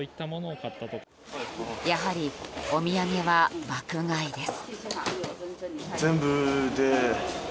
やはり、お土産は爆買いです。